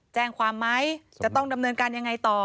แจ้งความไหมจะต้องดำเนินการยังไงต่อ